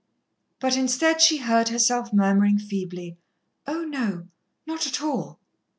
But instead, she heard herself murmuring feebly: "Oh, no, not at all."